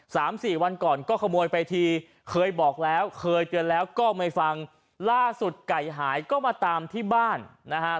สามสี่วันก่อนก็ขโมยไปทีเคยบอกแล้วเคยเตือนแล้วก็ไม่ฟังล่าสุดไก่หายก็มาตามที่บ้านนะฮะ